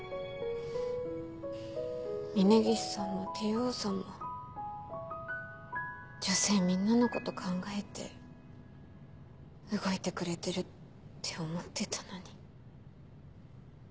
峰岸さんもＴ・Ｏさんも女性みんなのこと考えて動いてくれてるって思ってたのに。